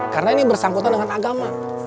karena ini bersangkutan dengan agama